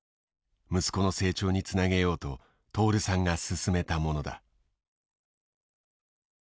息子の成長につなげようと徹さんが勧めたものだ。